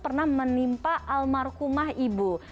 pernah menimpa almarhumah ibu